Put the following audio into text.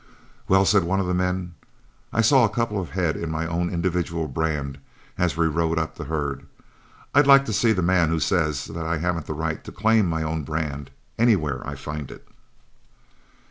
"Well," said one of the men, "I saw a couple of head in my own individual brand as we rode up the herd. I'd like to see the man who says that I haven't the right to claim my own brand, anywhere I find it."